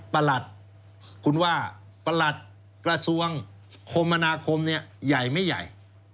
คุณว่าประหลัดกระทรวงคมมนาคมเนี่ยใหญ่ไม่ใหญ่